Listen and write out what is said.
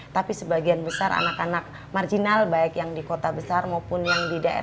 tapi sebagian besar anak anak marginal baik yang di kota besar maupun yang di daerah